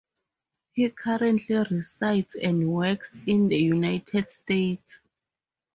He currently resides and works in the United States.